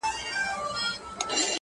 لکه نغمه لکه سيتار خبري ډيري ښې دي~